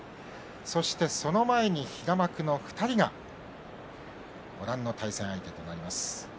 そして、その前に平幕の２人がご覧の対戦相手となります。